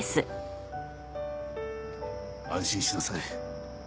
安心しなさい。